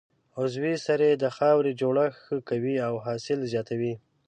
عضوي سرې د خاورې جوړښت ښه کوي او حاصل زیاتوي.